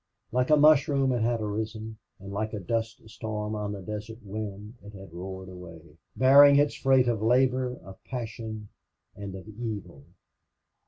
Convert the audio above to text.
Like a mushroom it had arisen, and like a dust storm on the desert wind it had roared away, bearing its freight of labor, of passion, and of evil.